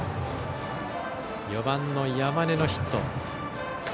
４番、山根のヒット。